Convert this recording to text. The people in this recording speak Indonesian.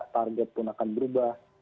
target pun akan berubah